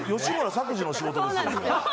吉村作治の仕事ですよね？